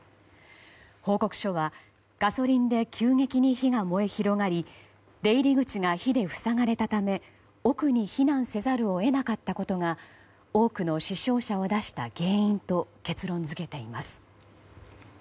報告書はガソリンで急激に火が燃え広がり出入り口が火で塞がれたため奥に避難せざるを得なかったことが多くの死傷者を出した原因と結論付けています。